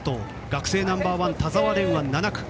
学生ナンバー１、田澤廉は７区。